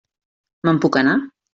Me'n puc anar?